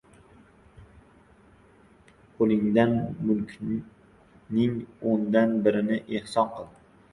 Qo‘lingdagi mulkning o‘ndan birini ehson qil.